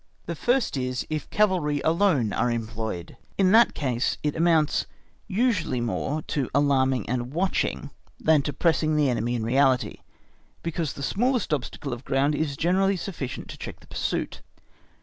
The first is, if cavalry alone are employed; in that case it amounts usually more to alarming and watching than to pressing the enemy in reality, because the smallest obstacle of ground is generally sufficient to check the pursuit.